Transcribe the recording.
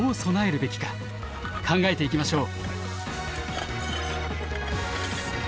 考えていきましょう。